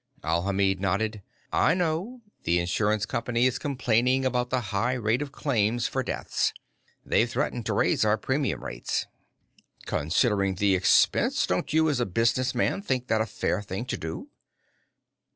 Alhamid nodded. "I know. The insurance company is complaining about the high rate of claims for deaths. They've threatened to raise our premium rates." "Considering the expense, don't you, as a businessman, think that a fair thing to do?"